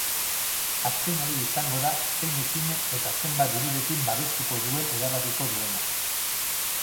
Azken hori izango da zein ekimen eta zenbat dirurekin babestuko duen erabakiko duena.